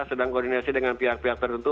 sedang koordinasi dengan pihak pihak tertentu